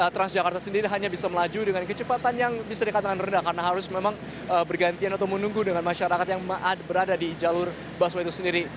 transjakarta sendiri hanya bisa melaju dengan kecepatan yang bisa dikatakan rendah karena harus memang bergantian atau menunggu dengan masyarakat yang berada di jalur busway itu sendiri